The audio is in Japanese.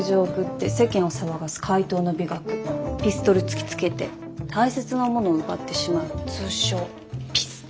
ピストル突きつけて大切なものを奪ってしまう通称ピス健。